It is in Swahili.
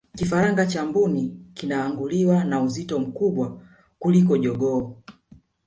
kifaranga cha mbuni kinaanguliwa na uzito mkubwa kuliko jogoo